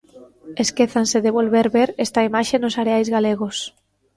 Esquézanse de volver ver esta imaxe nos areais galegos.